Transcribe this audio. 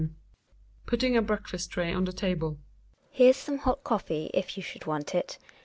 GiNA {putting a breakfast tray on the table). Here's some hot coffee, if you should want it.